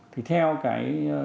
thì theo cái